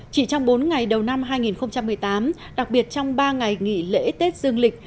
chỉ trong bốn ngày đầu năm hai nghìn một mươi tám đặc biệt trong ba ngày nghỉ lễ tết dương lịch